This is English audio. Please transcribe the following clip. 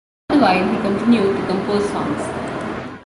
All the while he continued to compose songs.